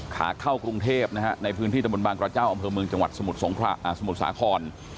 ขาเข้ากรุงเทพนะฮะในพื้นที่ตะบนบางกระเจ้าอำเภอเมืองจังหวัดสมุทรสาคร